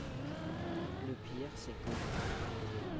Le pire c'est que…